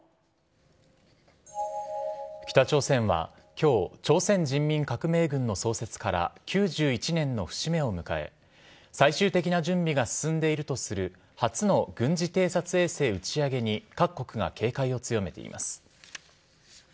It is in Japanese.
北朝鮮はきょう、朝鮮人民革命軍の創設から９１年の節目を迎え、最終的な準備が進んでいるとする初の軍事偵察衛星打ち上げに各国が警戒を強めています。